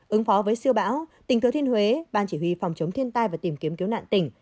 ứng phó với siêu bão tỉnh thừa thiên huế ban chỉ huy phòng chống thiên tai và tìm kiếm cứu nạn tỉnh